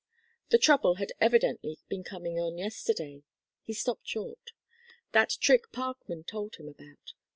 The trouble had evidently been coming on yesterday. He stopped short. That trick Parkman told him about!